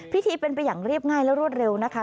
พิธีเป็นไปอย่างเรียบง่ายและรวดเร็วนะคะ